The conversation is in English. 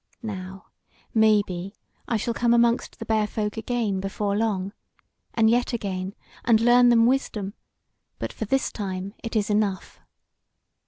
Now, maybe, I shall come amongst the Bear folk again before long, and yet again, and learn them wisdom; but for this time it is enough.